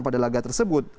pada laga tersebut